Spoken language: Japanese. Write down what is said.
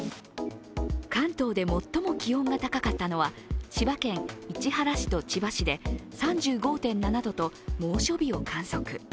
関東で最も気温が高かったのは千葉県市原市と千葉市で３５．７度と猛暑日を観測。